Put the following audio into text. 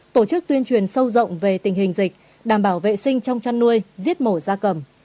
tổ chức tuyên truyền sâu rộng về tình hình dịch đảm bảo vệ sinh trong chăn nuôi giết mổ da cầm